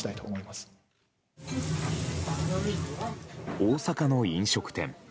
大阪の飲食店。